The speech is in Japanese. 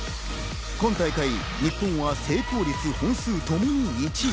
今大会日本は成功率・本数ともに１位。